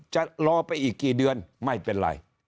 จะรอไปอีกกี่เดือนไม่เป็นไร